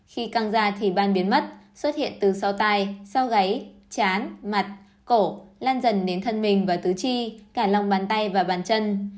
khi căng ra thì ban biến mất xuất hiện từ sau tai sau gáy chán mặt cổ lan dần đến thân mình và tứ chi cả lòng bàn tay và bàn chân